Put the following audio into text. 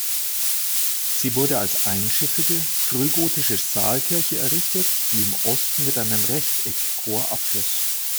Sie wurde als einschiffige frühgotische Saalkirche errichtet, die im Osten mit einem Rechteck-Chor abschloss.